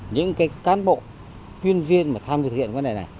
những cái cán bộ chuyên viên mà tham gia thực hiện vấn đề này